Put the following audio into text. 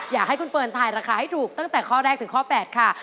อยากให้คุณเฟิร์นทายราคาให้ถูกตั้งแต่ข้อแรกถึงข้อ๘ค่ะ